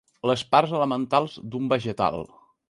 Les parts elementals d'un vegetal.